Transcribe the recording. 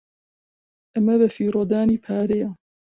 ئەمە بەفیڕۆدانی پارەیە.